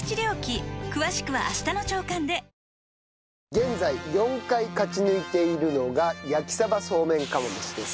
現在４回勝ち抜いているのが焼鯖そうめん釜飯です。